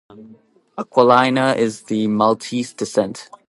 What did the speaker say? Aquilina is of Maltese descent.